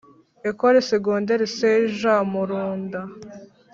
Ecole Secondaire St Jean Murunda